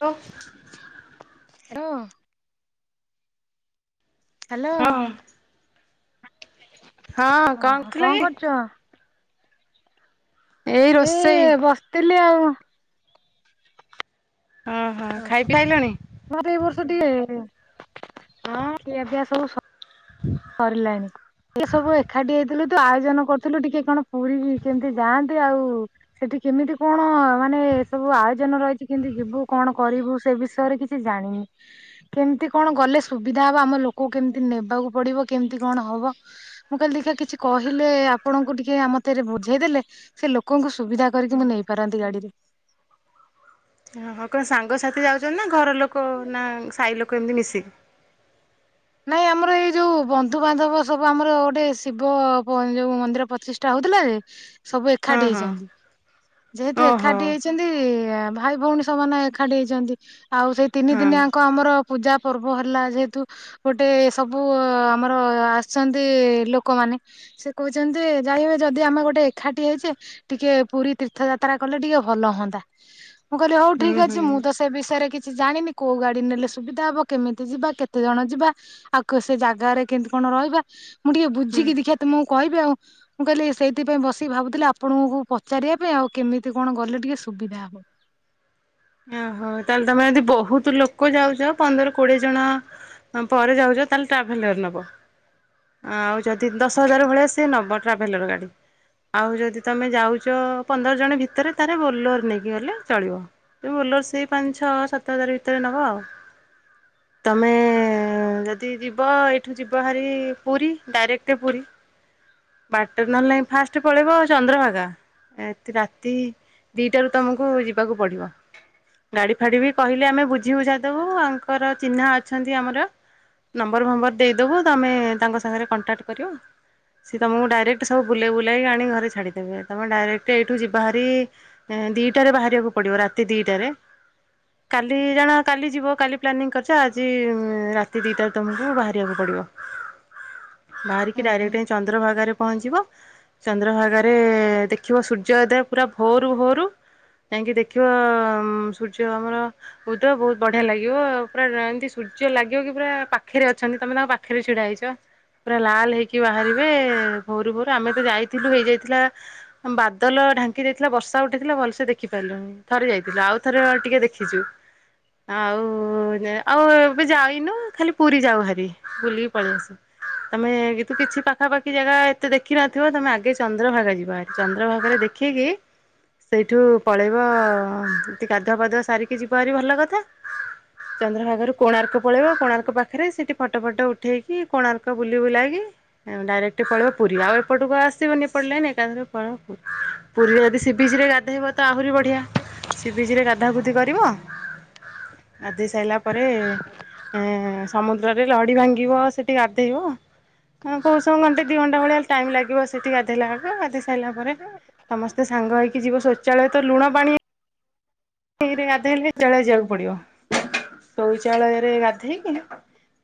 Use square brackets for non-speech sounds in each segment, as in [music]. ଓ। Hello. Hello. ହଁ ହଁ ଓହୋ କଣ କରଥିଲ କି? କରୁଛ? ଏଇ ଏ ରୋଷେଇ। ବସିଥିଲି ଆଉ । ଓହୋ ଖାଇ ପିଇ ସାଇଲଣି? ମୋର ଏଇ ବର୍ଷ ଟିକେ ହଁ ଖିଆ ପିଆ ସବୁ ସ ସରିଲାଣି ଏ ସବୁ ଏକାଠି ହେଇଥିଲୁ। ଆୟୋଜନ କରୁଥିଲୁ ଟିକେ କଣ ପୁରୀ କେମିତି ଯାଆନ୍ତି ଆଉ ସେଠି କେମିତି କଣ ମାନେ ଏସବୁ ଆୟୋଜନ ରହିଛି କେମତି ଯିବୁ କଣ କରିବୁ ସେ ବିଷୟରେ କିଛି ଜାଣିନି କେମତି କଣ ଗଲେ ସୁବିଧା ହବ ଆମ ଲୋକକୁ କେମିତି ନେବାକୁ ପଡିବ। କେମିତି କଣ ହବ ମୁଁ କାଲି ଦେଖା କିଛି କହିଲେ ଆପଣଙ୍କୁ ଟିକେ ଆମତରେ ବୁଝେଇ ଦେଲେ ସେ ଲୋକଙ୍କୁ ସୁବିଧା କରିତି ମୁଁ ନେଇପାରନ୍ତି ଗାଡିରେ ଓ ହଁ କଣ ସାଙ୍ଗସାଥି ଯାଉଚନ୍ତି ନା ଘର ଲୋକ ନା ସାହି ଲୋକ ଏମିତି ମିଶିକି ନାଇଁ ଆମର ଏଇ ଯୋଉ ବନ୍ଧୁବାନ୍ଧବ ସବୁ ଆମର ଗୋଟେ ଶିବ ପ ଯୋଉ ମନ୍ଦିର ପ୍ରତିଷ୍ଠା ହବ। ଥିଲେ ସବୁ ହଁ ଏକାଠି ହଁ ହେଇଚନ୍ତି ଯେହେତୁ ଓହୋ ଏକାଠି ହେଇଚନ୍ତି ଆମ ଭାଇ ଭଉଣୀ ସେମାନେ ଏକାଠି ହେଇଛନ୍ତି ଆଉ ସେଇ ତିନି ହଁ ଦିନିଆଙ୍କ ଆମର। ପୂଜା ପର୍ବ ହେଲା ଯେହେତୁ। ଗୋଟେ ସବୁ ଆମର ଆସିଚନ୍ତି ଲୋକମାନେ ସେ କହୁଚନ୍ତି ଯେ ଯାଇହବ ଯାଇ ଯଦି ଆମ ଗୋଟେ ଏକାଠି ହେଇଚେ, ଟିକେ ପୁରୀ ତୀର୍ଥ ଯାତ୍ରା କଲେ ଟିକେ ଭଲ ହୁଅନ୍ତା। ମୁଁ କହିଲି ହଉ ହୁଁ ଠିକ୍ ଅଛି ହୁଁ ମୁଁ ତ ସେ ବିଷୟରେ କି ସେ ଜାଣିନି କୋଉ ଗାଡି ନେଲେ ସୁବିଧା ହବ କେମିତି ଯିବା କେତେ ଜଣ ଯିବା। ଆଉ କ ସେ ଜାଗାରେ କେମିତି କଣ ରହିବ ମୁଁ ଟିକେ ହୁଁ। ବୁଝିକି ଦେଖିଆ ତମକୁ କହିବି ଆଉ। ମୁଁ କହିଲି ସେଇଥିପାଇଁ ବସିକି ଭାବୁଥିଲି ଆପଣଙ୍କୁ ପଚାରିଆ ପାଇଁ ଆଉ କେମିତି କଣ ଗଲେ ଟିକେ ସୁବିଧା ହବ। [inaudible] ଓହୋ ତାହେଲେ ତମେ ଯଦି ବହୁତ ଲୋକ ଯାଉଚ ପନ୍ଦର କୋଡିଏ ଜଣ ହଁ ପରେ ଯାଉଚ ତାହେଲେ ଟ୍ରାଭେଲର ନବ। ଆଉ ଯଦି ଦଶ ହଜାର ଭଳିଆ ସିଏ ନବ ଟ୍ରାଭେଲର ଗାଡି। ଆଉ ଯଦି ତମେ ଯାଉଛ ପନ୍ଦର ଜଣ ଭିତରେ ତାହେଲେ ବୋଲୋର ନେଇକି ଗଲେ ଚଳିବ। ଏ ବୋଲର ସେଇ ପାଞ୍ଚ ଛଅ ସାତ ହଜାର ଭିତରେ ନବ ଆଉ ତମେ ହ ଯଦି ଯିବ ଏଇଠୁ ଯିବ ଭାରି ପୁରୀ ଡାଇରେକ୍ଟ ପୁରୀ। ବାଟରେ ନହେଲେ ଫାଷ୍ଟ ପଳେଇବ ଚନ୍ଦ୍ରଭାଗା। ଏତେ ରାତି ଦିଟାରୁ ତମକୁ ଯିବାକୁ ପଡିବ। ଗାଡି ଫାଡି ବି କହିଲେ ଆମେ ବୁଝି ବୁଝା ଦବୁ ଆଙ୍କର ଚିହ୍ନା ଅଛନ୍ତି ଆମର। ନମ୍ବର ଫମ୍ବର ଦେଇଦବୁ, ତମେ ତାଙ୍କ ସାଙ୍ଗରେ କଣ୍ଟାକ୍ଟ କରିବ। ସିଏ ତମକୁ ଡାଇରେକ୍ଟ ସବୁ ବୁଲେଇ ବୁଲେଇକି ଆଣି ଘରେ ଛାଡିଦେବେ, ତମେ ଡାଇରେକ୍ଟ ଏଇଠୁ ଯିବା ହାରି ଦିଟାରେ ବାହାରିବାକୁ ପଡିବ ରାତି ଦିଟାରେ। କାଲି ଜଣ କାଲି ଯିବ କାଲି ପ୍ଲାନିଂ କରିଛ, ଆଜି ରାତି ଦିଟାରେ ତମକୁ ବାହାରିବାକୁ ପଡିବ। ପଡିବ ବାହାରିକି ହୁଁ ହୁଁ ଡାଇରେକ୍ଟ ଚନ୍ଦ୍ରଭାଗାରେ ପହଞ୍ଚିବ। ଚନ୍ଦ୍ରଭାଗାରେ ଦେଖିବ ସୂର୍ଯ୍ୟ ଉଦୟ ପୁରା ଭୋରୁ ଭୋରୁ। ଯାଇଙ୍କି ଦେଖିବ ସୂର୍ଯ୍ୟ ଆମର ଉଦୟ ବହୁତ ବଢିଆ ଲାଗିବ ପୁରା ଏମିତି ସୁ ସୂର୍ଯ୍ୟ ଲାଗିବ କି ପୁରା ପାଖରେ ଅଛନ୍ତି ତମେ ତାଙ୍କ ପାଖରେ ଛିଡା ହେଇଛ ପୁରା ଲାଲ ହେଇକି ବା ବାହାରିବେ ଭୋରୁ ଭୋରୁ ଆମେ ତ ଯାଇଥିଲୁ ହେଇଯାଇଥିଲା ବାଦଲ ଢାଙ୍କି ଦେଇଥିଲା ବର୍ଷା ଗୋଟେ ଦେଇଥିଲା ଭଲସେ ଦେଖିପାରିଲୁନି ଥରେ ଯାଇଥିଲୁ, ଆଉ ଥରେ ଟିକେ ଦେଖିଛୁ ଆଉ ଆଉ ଏବେ ଯାଇନୁ ଖାଲି ପୁରୀ ଯାଉ ହେ, ବୁଲିକି ପଳେଇ ଆସୁ ଆମେ କିନ୍ତୁ କିଛି ପାଖାପାଖି ଜାଗା ଏତେ ଦେଖିି ନଥିବ ତମେ ଆଗେ ଚନ୍ଦ୍ରଭାଗା ଯିବ ଚନ୍ଦ୍ରଭାଗାରେ ଦେଖିକି ସେଇଠୁ ପଳେଇବ ଏଠୁ ଗାଧୁଆ ପାଧୁଆ ସାରିକି ଯିବ ଭାରି ଭଲ କଥା। ଚନ୍ଦ୍ରଭାଗାରୁ କୋଣାର୍କ ପଳେଇବ କୋଣାର୍କ ପାଖରେ ସେଠି ଫଟୋ ଫଟ ଉଠେଇକି କୋଣାର୍କ ବୁଲି ବୁଲାଇକି ଡାଇରେକ୍ଟ ପଳେଇବ ପୁରୀ ଆଉ ଏପଟକୁ ଆସିବନି ଏପଟ ଲାଇନ୍ ଏକାଥରେ ପଳେଇବ ପୁରୀ। ପୁରୀରେ ଯଦି ସିି ବିଚ ରେ ଗାଧୋଇବ ତ ଆହୁରି ବଢିଆ ସି ବିଚ୍ ରେ ଗାଧୁଆ ଗୁଧି କରିବ ଗାଧୋଇ ସାଇଲା ପରେ ଏଁ ସମୁଦ୍ରରେ ଲହଡ଼ି ଭାଙ୍ଗିବ, ସେଠି ଗାଧେଇବ। [unintelligible] ଭଳିଆ ଟାଇମ୍ ଲାଗିବ ସେଠି ଗାଧେଇଲା ବେଳକୁ, ଗାଧେଇ ସାରି ସାଇଲା ପରେ ସମସ୍ତେ ସାଙ୍ଗ ହେଇକି ଯିବ ଶୌଚାଳୟ ତ ଲୁଣ ପାଣି ଗାଧୋଇଲେ ଶୌଚାଳୟ ଯିବାକୁ ପଡିବ, ଶୌଚାଳୟରେ ଗାଧେଇକି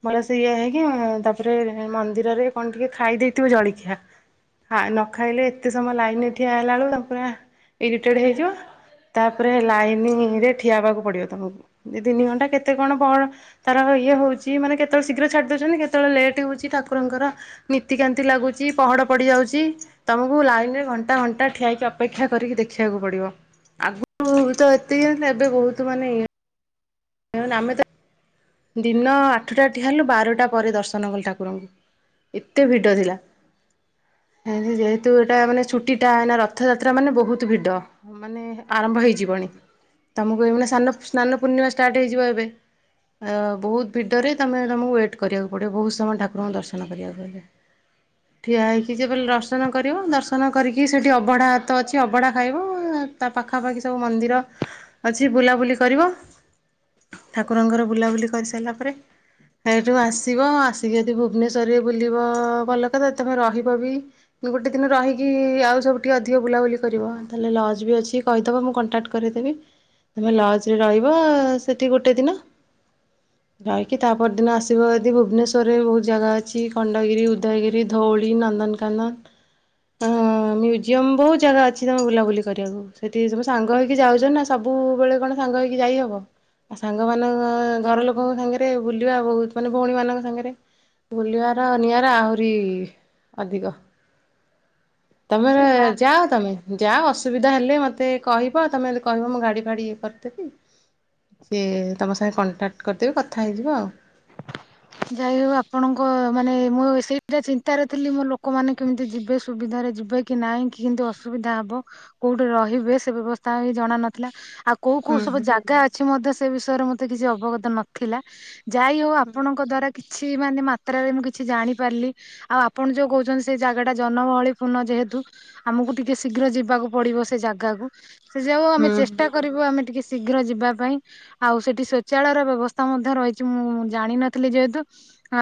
ଭଲ ସେ ଇଏ ହେଇକି ତାପରେ ମନ୍ଦିରରେ କଣ ଟିକେ ଖାଇ ଦେଇେଇଥିବ ଜଳଖିଆ। ହ ନ ଖାଇଲେ ଏତେ ସମୟ ଲାଇନ ଠିଆ ହେଲା ବେଳକୁ ଇରିଟେଡ ହେଇଯିବ। ତାପରେ ଲାଇ ନରେ ଠିଆ ହେବାକୁ ପଡିବ ତମକୁ ଦୁଇ ତିନି ଘଣ୍ଟା କେତେ କଣ ତାର ଇଏ ହଉଛି ମାନେ କେତେ ଶୀଘ୍ର ଛାଡି ଦଉଚନ୍ତି କେତେବେଳେ ଲେଟ୍ ହଉଛି ଠାକୁରଙ୍କର ନୀତିକାନ୍ତି ଲାଗୁଛି ପହଡ ପଡିଯାଉଚି। ତମକୁ ଲାଇନରେ ଘଣ୍ଟା ଘଣ୍ଟା ଠିଆ ହେଇକି ଅପେକ୍ଷା କରିକି ଦେଖିବାକୁ ପଡିବ। ଆଗରୁ ତ ଏବେ ବହୁତ ମାନେ ଇ ଆମେ ତ ଦିନ ଆଠଟା ଠିଆ ହେଲୁ ବାରଟା ପରେ ଦର୍ଶନ କଲୁ ଠାକୁରଙ୍କୁ। ଏତେ ଭିଡ଼ ଥିଲା। [inaudible] ଏ ଯେହେତୁ ଏଟା ମାନେ ଛୁଟିଟାନା ରଥଯାତ୍ରା ମାନେ ବହୁତ ଭିଡ଼ ମାନେ ଆରମ୍ଭ ହେଇଯିବନି। ତମକୁ ଏଇ ଭଳିଆ କହାନ ସ୍ନାନ ପୂର୍ଣ୍ଣିମା ଷ୍ଟାର୍ଟ ହେଇଯିବ ଏବେ । ଆଉ ବହୁତ ଭିଡ଼ରେ ତୁମେ ତମକୁ ୱେଟ୍ କରିବାକୁ ପଡ଼ିବ ବହୁତ ସମୟ ଠାକୁରଙ୍କୁ ଦର୍ଶନ କରିବାକୁ ହେଲେ [inaudible] ଠିଆ ହେଇକି ଯିବ ଦର୍ଶନ କରିବ ଦର୍ଶନ କରିକି ସେଇଠି ଅବଢ଼ା ତ ଭାତ ଅଛି ଅବଢ଼ା ଖାଇବ ତା ପାଖାପାଖି ସବୁ ମନ୍ଦିର ଅଛି ବୁଲାବୁଲି କରିବ। ଠାକୁରଙ୍କର ବୁଲାବୁଲି କରିସାରିଲା ପରେ ଏଇଠୁ ଆସିବ ଆସିକି ଯଦି ଭୁବନେଶ୍ୱରରେ ବୁଲିବ ଭଲ କଥା। ତମେ ରହିବ ବି ଗୋଟେ ଦିନ ରହିକି ଆଉ ସବୁଠି ଅଧିକ ବୁଲାବୁଲି କରିବ, ତାହେଲେ ଲଜ୍ ବି ଅଛି କହିଦେବ ମୁଁ କଣ୍ଟାକ୍ଟ କରିଦେବି। ତମେ ଲଜରେ ରହିବ ସେଠି ଗୋଟେ ଦିନ। [inaudible] ଯାଇକି ତାପରଦିନ ଆସିବ ଯଦି ଭୁବନେଶ୍ୱରରେ ବହୁତ ଜାଗା ଅଛି ଖଣ୍ଡଗିରି ଉଦୟଗିରି ଧଉଳି ନ ନ୍ଦନକାନନ ହଁ ମ୍ୟୁଜିୟମ ବହୁତ ଜାଗା ଅଛି ତମ ବୁଲାବୁଲି କରିବାକୁ। ସେଠି ତମ ସାଙ୍ଗ ହେଇକି ଯାଉଛ ନା ସବୁ ସବୁବେଳେ କଣ ସାଙ୍ଗ ହେଇକି ଯାଇହବ ଆ ସାଙ୍ଗ ମାନଙ୍କ ଘର ଲୋକଙ୍କ ସାଙ୍ଗରେ ବୁଲିବା ବହୁତ ମାନେ ଭଉଣୀ ମାନଙ୍କ ସାଙ୍ଗରେ ବୁଲିବାର ନିଆରା ଆହୁରି ଅଧିକ । ତମର ସେ ଯା ଯାଅ ତମେ ଯାଅ। ସୁବିଧା ହେଲେ ମୋତେ କହିବ ତମେ କହିବ ମୁଁ ଗାଡ଼ି ଫାଡ଼ି ଇଏ କରିଦେବି । ସିଏ ତମ ସାଙ୍ଗେ କଣ୍ଟାକ୍ଟ କରିଦେବି କଥା ହେଇଯିବ ଆଉ । ଯାଇ ହଉ ଆପଣଙ୍କ ମାନେ ମୁଁ ସେଇଟା ଚିନ୍ତାରେ ଥିଲି ମୋ ଲୋକମାନେ କେମିତି ଯିବେ ସୁବି ଧରେ ଯିବେ କି ନାଇଁ କି କିନ୍ତୁ ଅସୁବିଧା ହବ କୋଉଠି ରହିବେ ସେ ବ୍ୟବସ୍ଥା ବି ଜଣା ନଥିଲା । ଆଉ କୋଉ କୋଉ ହୁଁ ସବୁ ଜାଗା ଅଛି ମଧ୍ୟ ସେ ବିଷୟରେ ମତେ କିଛି ଅବଗତ ନଥିଲା। ଯାହା ହଉ ଆପଣଙ୍କ ଦ୍ଵାରା କିଛି ଛି ମାନେ ମାତ୍ରାରେ ମୁଁ କିଛି ଜାଣିପାରିଲି। ଆଉ ଆପଣ ଯୋଉ କହୁଛନ୍ତି ସେ ଜାଗାଟା ଜନଗହଳି ପୂର୍ଣ୍ଣ ଯେହେତୁ ଆମକୁ ଟିକେ ଶୀଘ୍ର ଯିବାକୁ ପଡ଼ିବ ସେ ଜାଗାକୁ। ସେ ଯାଉ ଆମେ ହୁଁ ଚେଷ୍ଟା କରିବୁ ଆମେ ଟିକେ ଶୀ ଶୀଘ୍ର ଯିବା ପାଇଁ ଆଉ ସେଠି ଶୌଚାଳୟର ବ୍ୟବସ୍ଥା ମଧ୍ୟ ରହିଚି ମୁଁ ଜାଣି ନ ଥିଲି । କହୁଥିଲେ ଯେହେତୁ,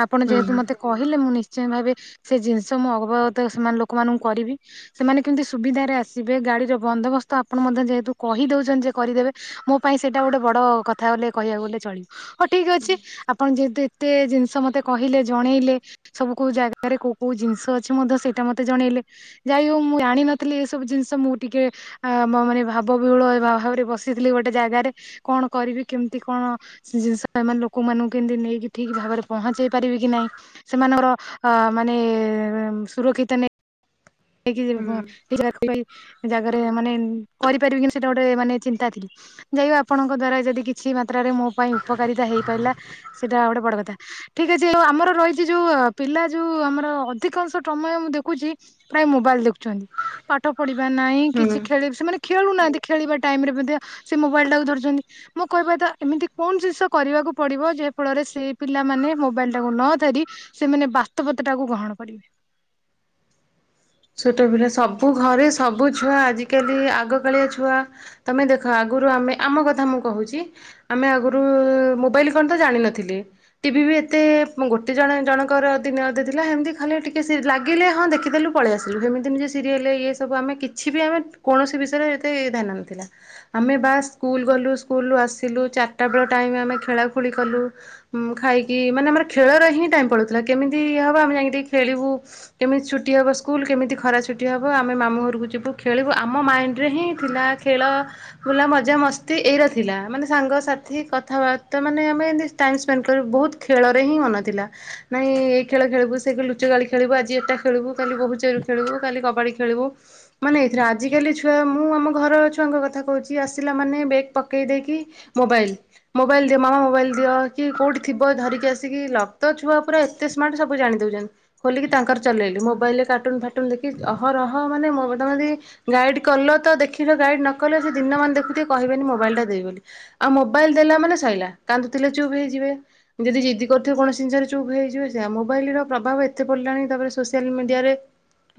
ଆପଣ ହୁଁ ଯେହେତୁ ମତେ କହିଲେ ମୁଁ ନିଶ୍ଚ ଶ୍ଚୟ ଭାବେ ସେ ଜିନିଷ ମୁଁ ଅବଗତ ସେ ଲୋକମାନଙ୍କୁ କରିବି ସେମାନେ କେମିତି ସୁବିଧାରେ ଆସିବେ । ଗାଡ଼ି ଗାଡ଼ିରେ ବନ୍ଦୋବସ୍ତ ଆପଣ ମତେ ଯେହେତୁ କହିଦଉଚନ୍ତି ଯେ କରିଦେବେ ମୋ ପାଇଁ ସେଇଟା ଗୋଟେ ବଡ଼ କଥା ହେଲେ କହିଲେ କହିଲେ ଚଳିବ ହଉ ଠିକ ଅଛି ଆପଣ ଯେହେତୁ ତୁ ଏତେ ଏତେ ଜିନିଷ ମତେ କହିଲେ ଜଣେଇଲେ ସବୁ କୋଉ ଜାଗାରେ କୋଉ କୋଉ ଜିନିଷ ଅଛି ମଧ୍ୟ ସେଇଟା ମତେ ଜଣେଇ ଣେଇଲେ ଯାହା ମୁଁ ଜାଣିନଥିଲି ଏସବୁ ଜିନିଷ ମୁଁ ଟିକେ ଅ ମାନେ ବ ଅ ଭାବବିହ୍ୱଳ ବସିଥିଲି ଗୋଟେ ଜାଗାରେ। କଣ କରିବି କେମିତି କଣ ଜିନିଷ ମାନେ ଲୋକମାନଙ୍କୁ କେମିତି ନେଇକି ଠିକ୍ ଭାବରେ ପହଞ୍ଚାଇ ପାରିବି କି ନାହିଁ। ସେମାନଙ୍କର ଅ ମାନେ ସୁରକ୍ଷିତ ନେଇ ହେଇକି ହୁଁ ଯିବା। ଯାହାକୁ ପାଇ ଜାଗାରେ ମାନେ କରିପାରିବ କି ସେଇଟା ଗୋଟେ ମାନେ ଚିନ୍ତା ଥିଲି। ଯାଇ ଆପଣଙ୍କ ଦ୍ଵାରା ଯଦି କିଛି ମାତ୍ରା ମୋ ପାଇଁ ଉପକାରିତା ହେଇ ପାରିଲା । ଗୋଟେ ବଡ଼ କଥା। ଠିକ ଅଛିଉ ଆମର ରହିଛି ଯୋଉ ପିଲା ଯୋଉ ଆମର ଅଧିକାଂଶ ସମୟ ମୁଁ ଦେଖୁ ଛି ମୋବାଇଲ ଦେଖୁଚନ୍ତି। ପାଠ ପଢ଼ିବା ନାହିଁ ହୁଁ କିଛି ହୁଁ ଖେଳି ସେମାନେ ଖେଳୁନାହାନ୍ତି ଖେଳିବା ଟାଇମ ରେ ମଧ୍ୟ। ସେ ମୋବାଇଲ ଟାକୁ ଧରୁଛନ୍ତି ମୋ କହିବା ଏମିତି କଣ ଜିନିଷ କରିବା ବାକୁ ପଡିବ ଯେ ଫଳରେ ସେଇ ପିଲାମାନେ ମୋବାଇଲଟାକୁ ନ ଧରି ସେମାନେ ବାସ୍ତବତାଟାକୁ ଗ୍ରହଣ କରିବେ। ସେତେବେଳେ ସବୁ ଘରେ ସବୁ ଛୁଆ ଆଜିକାଲି ଆଗକାଳିଆ ଛୁଆ ତମେ ଦେଖ ଆଗ ପୂର୍ବରୁ ଆମେ ଆମ କଥା ମୁଁ କହୁଛି ଆମେ ଆଗରୁ ମୋବାଇଲ୍ କଣ ତ ଜାଣି ନ ଥିଲେ ଟିଭି ବି ଏତେ ମୁଁ ଗୋଟେ ଜଣ ଜଣଙ୍କର ଦିନଅଧେ ଥିଲା ଏମିତି ଖାଲି ଟିକେ ଲାଗିଲେ ହଁ ଦେଖିଦେଲୁ ପଳେଇ ଆସିଲୁ ସେମିତି ସିରିଏଲ ଇଏ ସବୁ ଆମେ କିଛି ବି ଆମେ କୌଣସି ବିଷୟରେ ଏତେ ଧ୍ୟାନ ନଥିଲା । ଆମେ ବାସ୍ ସ୍କୁଲ ଗଲୁ ସ୍କୁଲରୁ ଆସିଲୁ ଚାରିଟା ବେଳ ଟାଇମ ଆମେ ଖେଳାଖେଳି କଲୁ ଖାଇବା। ମାନେ ଆମର ଖେଳରେ ହିଁ ଟାଇମ୍ ପଲାଉଥିଲା କେମିତିବ ଆମେ ଯାଇକି ଖେଳିବୁ କେମିତି ଛୁଟି ହବ। ସ୍କୁଲ କେମିତି ଖରା ଛୁଟି ହବ ଆମେ ମାମୁଁ ଘରକୁ ଯିବୁ ଖେଳିବୁ ଆମ ମାଇଣ୍ଡରେ ହିଁ ଥିଲା ଖେଳ ଖେଳିବା। ବୁଲା ମଜା ମସ୍ତି ଏଇ ର ଥିଲା ମାନେ ସାଙ୍ଗସାଥି କଥାବାର୍ତ୍ତା ମାନେ ଆମେ ଏତି ଟାଇମ ସ୍ପେଣ୍ଡ କରୁ ବହୁତ ବହୁତ୍ ଖେଳରେ ହିଁ ମନ ଥିଲା ନାଇଁ ଏଇ ଖେଳ ଖେଳିବୁ ସେ ଲୁଚ କାଳି ଖେଳିବା ଆଜି ଏଟା ଖେଳିବୁ କାଲି ଖେଳୁ କାଲି କବାଡି ଖେଳିବୁ ମାନେ ଏ ଆଜି କାଲି ଛୁଆ ମୁଁ ଆମ ଘର ଛୁଆଙ୍କ କଥା କହୁଛି ଆସିଲା ମାନେ ବ୍ୟାଗ ପକାଇଦେଇକି ମୋବାଇଲ୍ ମୋବାଇଲ୍ ଦେ ମାମା ମୋବାଇଲ୍ ଦିଅ କି କଉଠି ଥିବ। ଧରିକି ଆସିକି ଲକ୍ ତ ଛୁଆ ପୁରା ଏତେ ସ୍ମାର୍ଟ ସବୁ ଜାଣି ଦଉଛନ୍ତି ଖୋଲିକି ତାଙ୍କର ଚଲେଇଲେ ମୋବାଇଲରେ ସାର୍ଚ ଟୁ ଫାଟୁନ ଦେଖି ଅହରହ ମାନେ ତମେ ଯଦି ଗାଇଡ୍ କଲ ତ ଦେଖ ଗାଇଡ୍ ନ କଲେ ଦିନ ଦେଖୁଥିବେ କହିବେନି ମୋବାଇଲ ଟା ଦେ ବୋଲି ଆଉ ମୋବାଇଲ ଦେଲା ମାନେ ସରିଲା କାନ୍ଦୁଥିଲେ ଚୁପ୍ ହେଇଯିବେ ଯଦି ଜିଦି କରଥିବ କଣ ଜିନିଷ ଚୁପ୍ ହେଇଯିବ ସେ ମୋବାଇଲ ର ପ୍ରଭାବ ଏତେ ପଡ଼ିଲାଣି ତାପରେ ସୋସିଆଲ ମିଡିଆରେ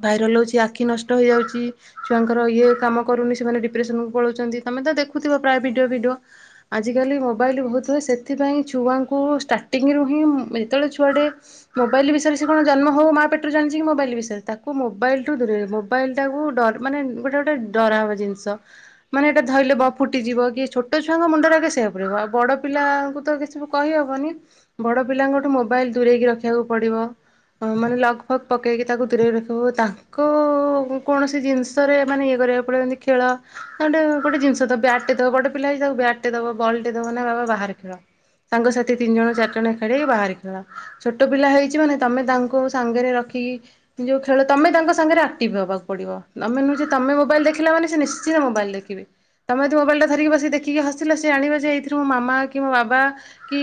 ଭାଇରାଲ ହେଉଛି ଆଖି ନଷ୍ଟ ହେଇଯାଉଛି ଛୁଆଙ୍କର ଇଏ କାମ କରୁନି ସେମାନେ ଡିପ୍ରେସନକୁ ପଳାଉଛନ୍ତି। ତମେ ତ ଦେଖୁଥିବ ପ୍ରାୟ ଭିଡିଓ ଭିଡିଓ ଆଜିକାଲି ମୋବାଇଲ ବହୁତ ହୁଏ ସେଥିପାଇଁ ଛୁଆଙ୍କୁ ଷ୍ଟାଟିଂରୁ ହିଁ ଯେତେବେଳେ ଛୁଆଟେ ମୋବାଇଲ ବିଷୟରେ ସେ କଣ ଜନ୍ମ ହଉ ମା ପେଟରୁ ଜାଣିଛି କି ମୋବାଇଲ ବିଷୟରେ ତାକୁ ମୋବାଇଲ ଠୁ ଦୁରେଇ ମୋବାଇଲ ଟାକୁ ମାନେ ଗୋଟେ ଗୋଟେ ଡରା ହବା ଜିନିଷ ମାନେ ଏଟା ଧରିଲେ କାଳେ ବମ୍ ଫୁଟିଯିବ କି ଛୋଟ ଛୁଆଙ୍କ ମୁଣ୍ଡରେ ଆଗେ ଅସର ପଡ଼ିବ ଆଉ ବଡ଼ ପିଲାଙ୍କୁ ତ କିଛି କହିହବନି। ବଡ ପିଲାଙ୍କଠୁ ମୋବାଇଲ ଦୂରେଇକି ରଖିବାକୁ ପଡିବ। ମାନେ ଲଗ ଫଗ ପକେଇକି ତାକୁ ଦୂରେଇକ ରଖ ତ ତାଙ୍କ କୌଣସି ଜିନିଷରେ ମାନେ ଇଏ କରିବାକୁ ପଡ଼ିବ ଖେଳ ଗୋଟେ ଜ ବଟେ ଦବ ।ଗୋଟ ପିଲାଇଛି ତାକୁ ବ୍ୟାଟେ ଦବ, ବଲଟେ ଦେବ। ନା ବାବା ବାହାରେ ଖେଳ। ତାଙ୍କ ସାଥି ତିନି ଜଣ ଚାରିଜଣ ଖେଳି ବାହାରି ଖେଳ ।ଛୋଟ ପିଲା ହେଇଛି ମାନେ, ତମେ ତାଙ୍କୁ ସାଙ୍ଗରେ ରଖ କି ଯୋଉ ସେଳେ ତମେ ତାଙ୍କ ସାଙ୍ଗରେ ଆକ୍ଟିଭ୍ ହେବାକୁପଡ଼ିବ ।ନୁହେ ଯେ ତମେ ମୋବାଇଲ ଦେଖିଲା ମାନ, ସେ ନିଶ୍ଚିତ ମୋବାଇଲ୍ ଦେଖିବେ। ତମେ ମୋବାଇଲ ଟା ଧରିକି ବସି, ଦେଖିକି ହସିଲ ।ସେ ଜଣିବ ଯେ, ଏଇଥିରୁ ମୋ ମାମା କି ମୋ ବାବା କି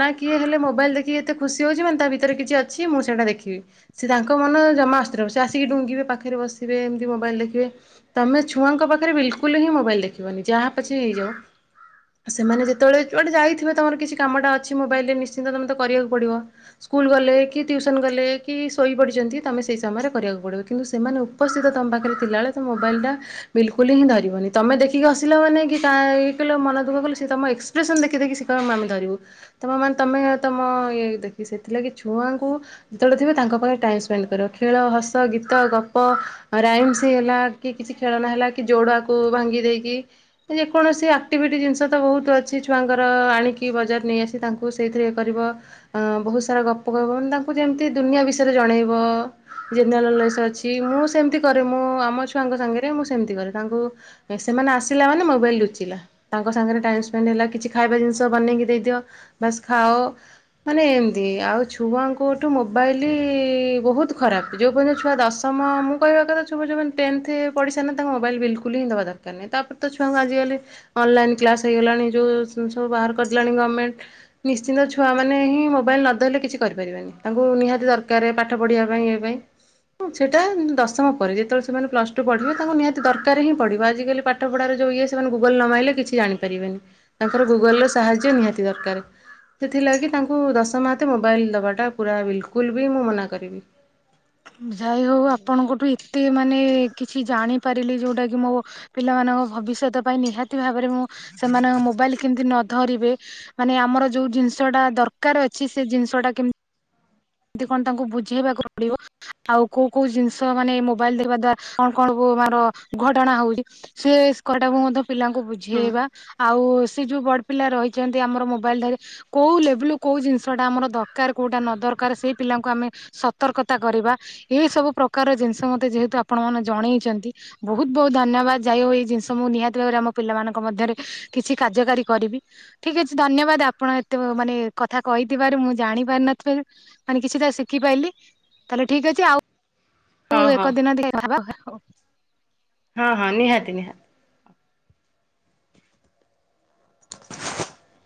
ନା କିଏ ହେଲେ ମୋବାଇଲ ଦେଖିକି ଏତେ ଖୁସି ହଉଛି ମାନେ, ତା ଭିତରେ କିଛି ଅଛି। ମୁଁ ସେଇଟା ଦେଖିବି ।ସେ ତାଙ୍କ ମନ ଜମା, ସେ ଆସିକି ଡୁଙ୍ଗିବେ, ପାଖରେ ବସିବେ ।ଏମିତି ମୋବାଇଲ ଦେଖେ ।ତମେ ଛଆଙ୍କ ପାଖରେ ବିଲକୁଲ ହିଁ ମୋବାଇଲ ଦେଖିବନି, ଯାହା ପଛେ ହେଇଯାଉ। ସେମାନେ ଯେତେବେଳେ ଗୋଟେ ଯାଇଥିବେ, ତମର କିଛି କାମଟା ଅଛି ମୋବାଇଲ ରେ। ନିଶ୍ଚିନ୍ତ ତମେ ତ କରିବାକୁ ପଡିବ। ସ୍କୁଲ ଗଲେ, କି ଟ୍ୟୁସନ୍ ଗଲେ, କି ଶୋଇପଡ଼ିଛନ୍ତି ତୁମେ ସେହି ସମୟରେ କରିବାକୁ ପଡ଼ିବ। କିନ୍ତୁ ସେମାନେ ଉପସ୍ଥିତ ତମ ପାଖରେ ଥିଲାବେଳେ, ତ ମୋବାଇଲଟା ବିଲକୁଲ ହିଁ ଧରିବନି। ତମ ଦେଖିସିଲ ମାନେ କି କାଇଏ କହ ମନ ଦୁଃଖ କଲେ ।ସେ ତମ ଏକ୍ସପ୍ରସ ଦେଖିଖି କ ଆମେ ଧରିବୁ। ତମ ମାନେ ତମେ ତମ ଇ ଦେଖି, ସେଥିଲାଗି ଛୁଆଙ୍କୁ ଯେତେବେଳେ ଥିବ ତାଙ୍କ ପାଖ ଟାଇ କର ।ଖେଳ, ହସ, ଗୀତ, ଗପ, ରାଇମ ହେଲା କି କିଛି ଖେଳ ନା ହେଲା, କି ଯୋୁ ଭାଙ୍ଗି ଦେଇକି ।ଯେ କୌଣସି ଆଟି ଜିନିଷ ବହୁ ଅଛି ଛୁଆଙ୍କର ଆଣିକି, ବଜାର ନେଇ ଆସି ତାଙ୍କ ସେଇଥିରେ କରିବ ।ବହୁତ ସାରା ଗପ କହିବ । ମାନେ ତାଙ୍କୁ ଯେମିତି ଦୁନିଆ ବିଷୟରେ ଜଣେଇବ। ଜେନେରାଲ ନଜ ଅଛି ।ମୁଁ ସେମତି କରେ ।ମୁଁ ଆମ ଛୁଆଙ୍କ ସାଙ୍ଗରେ, ମୁଁ ସେମତି କରେ ।ତାଙ୍କୁ ମାନେ, ଆସିଲା ମାନେ, ମୋବାଇଲ ଲୁଚିଲା ।ତାଙ୍କ ସାଙ୍ଗରେ ଟାଇମ ସ୍ପେଣ୍ଡ ହେଲା ।କିଛି ଖାଇବା ଜିନିଷ ବନେଇକି ଦେଇଦିଅ, ବା ଖାଅ, ମାନେ ଏମତି ଆଉ ଛୁଆଙ୍କୁଠୁ ମୋବାଇଲ ବହୁତ ଖରାପ ।ଯୋଉ ପର୍ଯ୍ୟଉ ଛୁଆ ଦଶମ, ମୁଁ କହିବା କଥା ଯଉମାନେ ଟେନ୍ଥ ପଢିସାର ନା ତାଙ୍କ ମୋବାଇଲ ବିଲକୁଲ ହଁ ଦ ତା ପରେ ତ ଆଜିକାଲି ଛୁଆଙ୍କୁ ଅନଲାଇନ୍ କ୍ଲାସ୍ ହେଇଗଲାଣି ।ଯଉ ବାହାର କରିଦେଲାଣି ଗମେଣ୍ଟ। ନିଶ୍ଚିନ୍ତ, ଛୁଆ ମାନ ହିଁ ମୋବାଇଲ ନଦଲେ କିଛି କରିପାରିବେନି। ତାଙ୍କୁ ନିହାତି ଦର ପାଠ ପଢ଼ିବା ପାଇଁ, ଏ ପାଇଁ ହଁ ସେଟା ଦଶମ ପରେ, ଯେତେବେଳେ ସେମାନେ ପ୍ଲସ ଟୁ ପଢିବେ ।ତାଙ୍କୁ ନିହାତି ଦରକାର ହିଁ ପଢିବ ।ଆଜିକାଲି ପାଠ ପଢାର ଇଏ ସେମାନେ ଗୁଗଲ ନମାଇଲେ କିଛି ଜାଣିପାରିବେନି। ତାଙ୍କର ଗୁଗଲ ର ସାହାଯ୍ୟ ନିହାତି ଦରକାର। ସେଥିଲାଗି ତାଙ୍କୁ, ଦଶ ମାହତେ ମୋବାଇଲ ଦବାଟା ପୁରା ବିଲକୁଲ ବି ମୁଁ ମନା କରିବି। ଯାଇ ହଉ ଆପଣଙ୍କଠୁ, ଏତେ ମାନେ ମାନେ କିଛି ଜାଣିପାରିଲି। ଯୋଉଟାକି ମୋ ପିଲାମାନଙ୍କ ଭବିଷ୍ୟତ ପାଇଁ ନିହାତି ଭାବରେ, ମୁଁ ସେମାନଙ୍କ ମୋବାଇଲ କେମିତି ନ ଧରିବେ ।ମାନେ ଆମର ଯୋଉ ଜିନିଷଟା ଦରକାର ଅଛି, ସେ ଜିନିଷଟା କେମିତି କେମିତି କଣ ତାଙ୍କୁ ବୁଝେଇବାକୁ ପଡିବ। ଆଉ କୋଉ କୋଉ ଜିନିଷ, ମାନେ ମୋବାଇଲ ଦେଖିବା ଦ୍ଵାରା କଣ କଣ ସବୁ ମର ଘଟଣା ହଉଛି ସେ [unintelligible] ମଧ୍ୟ ପିଲାଙ୍କୁ ହୁଁ ବୁଝେଇବା ।ଆଉ ସେ ଯୋଉ ବ ପିଲା ରହିଛନ୍ତି ଆମର ମୋବାଇଲ ଧରି । କୋଉ ଲେବୁଲ କୋଉ ଜିନିଷଟା ଆମର ଦରକାର, କୋଉଟା ନ ଦରକାର ଦରକାର ସେଇ ପିଲାଙ୍କୁ ଆମେ ସତର୍କତା କରିବା। ଏଇ ସବୁ ପ୍ରକାର ଜିନିଷ ମୋତେ ଯେହେତୁ ଆପଣ ମାନେ ଜଣେଇ ଛନ୍ତି ବହୁତ ବହୁତ ଧନ୍ୟବାଦ। ଯାଇ ହଉ ଏଇ ଜିନିଷ, ମୁଁ ନିହାତି ଭାବରେ, ଆମ ପିଲାମାନଙ୍କ ମଧ୍ୟରେ କିଛି କାର୍ଯ୍ୟକାରୀ କରିବି। ଠିକ୍ ଅଛି, ଧନ୍ୟବାଦ ଆପଣ ଏତେ ଏ ମାନେ କଥା କହିଥିବାରୁ। ମୁଁ ଜାଣିପାରିନଥିବାରୁ ମାନେ କିଛିଟା ଶିଖିପାରିଲିି ।ତାହେଲେ ଠିକ ଅଛି ଆଉ ହଉ ଏକ ଦିନ ଟିକେ ହବା ହଉ। ହଁ ହଁ ନିହାତି, ନିହାତି। [inaudible]